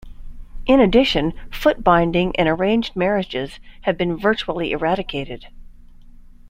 In addition, foot binding and arranged marriages have been virtually eradicated.